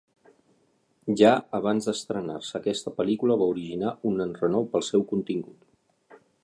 Ja abans d'estrenar-se aquesta pel·lícula va originar un enrenou pel seu contingut.